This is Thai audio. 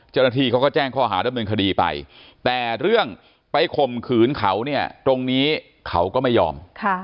เจ้าหน้าที่เขาก็แจ้งข้อหาดำเนินคดีไปแต่เรื่องไปข่มขืนเขาเนี่ยตรงนี้เขาก็ไม่ยอม